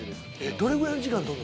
どれぐらいの時間とるの？